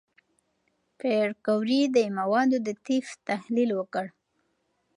پېیر کوري د موادو د طیف تحلیل وکړ.